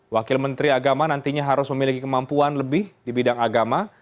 wakil menteri agama nantinya harus memiliki kemampuan lebih di bidang agama